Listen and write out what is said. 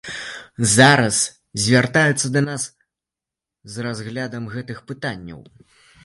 Зараз звяртаюцца да нас з разглядам гэтых пытанняў.